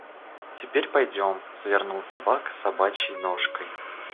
Теперь пойдём, свернув табак собачей ножкой.